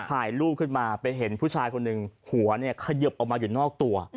ถ่ายรูปขึ้นมาไปเห็นผู้ชายคนหนึ่งหัวเนี่ยเขยิบออกมาอยู่นอกตัว